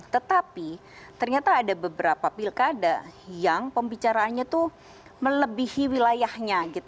tetapi ternyata ada beberapa pilkada yang pembicaraannya itu melebihi wilayahnya